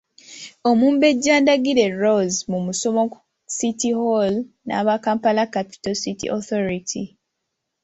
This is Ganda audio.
Omumbejja Ndagire Rose mu musomo ku City Hall n'aba Kampala Capital City Authority.